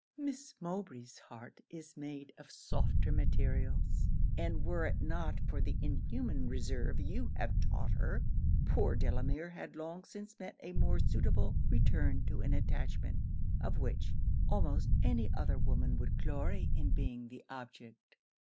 Miss Mowbray's heart is made of softer materials; and were it not for the inhuman reserve you have taught her, poor Delamere had long since met a more suitable return to an attachment, of which, almost any other woman would glory in being the object.'